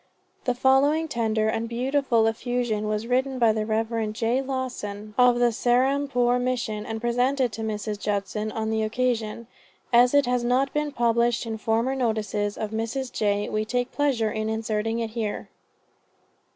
The following tender and beautiful effusion was written by the Rev. J. Lawson of the Serampore Mission and presented to Mrs. Judson on this occasion. As it has not been published in former notices of Mrs. J. we take pleasure in inserting it here.